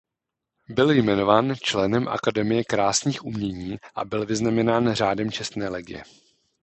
Byl jmenován členem Akademie krásných umění a byl vyznamenán Řádem čestné legie.